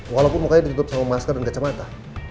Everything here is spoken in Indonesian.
walaupun makanya ditutup sama masker dan kacamata